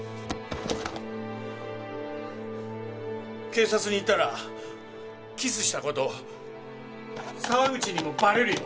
警察に言ったらキスした事沢口にもバレるよ。